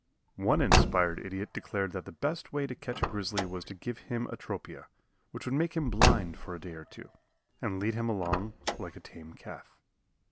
One inspired idiot declared that the best way to catch a grizzly was to give him atropia, which would make him blind for a day or two, and lead him along like a tame calf.